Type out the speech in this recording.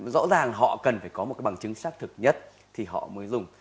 rõ ràng họ cần phải có một cái bằng chứng xác thực nhất thì họ mới dùng